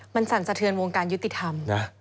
มันสั่นสะเทือนวงการยุติธรรมนะ